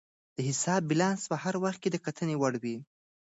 د حساب بیلانس په هر وخت کې د کتنې وړ وي.